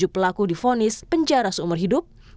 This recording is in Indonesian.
tujuh pelaku difonis penjara seumur hidup